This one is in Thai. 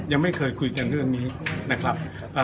ยังไม่เคยคุยกันเรื่องนี้นะครับ